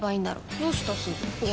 どうしたすず？